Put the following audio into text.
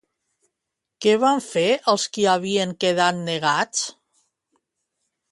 Què van fer els qui havien quedat negats?